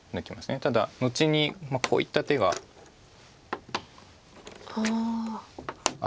ただ後にこういった手があって。